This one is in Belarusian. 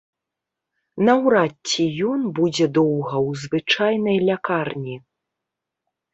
Наўрад ці ён будзе доўга ў звычайнай лякарні.